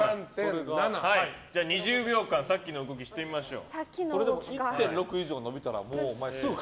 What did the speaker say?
２０秒間さっきの動きをしてみましょう。